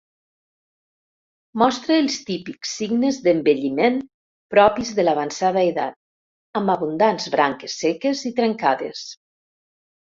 Mostra els típics signes d'envelliment propis de l'avançada edat, amb abundants branques seques i trencades.